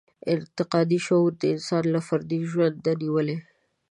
انتقادي شعور د انسان له فردي ژوند نېولې.